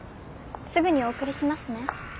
すぐにお送りしますね。